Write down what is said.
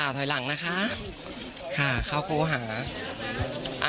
ถอยหลังนะคะเข้าครูหา